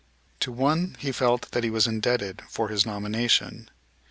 To one he felt that he was indebted for his nomination.